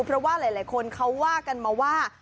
เพราะว่าหลายคนเขาว่ากันมาว่า